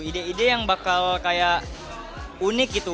ide ide yang bakal kayak unik gitu